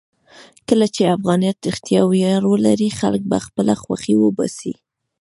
کله چې افغانیت رښتیا ویاړ ولري، خلک به خپله خوښۍ وباسي.